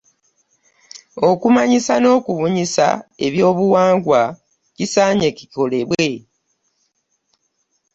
Okumanyisa n'okubunyisa ebyobuwangwa kisaanye kikolebwe.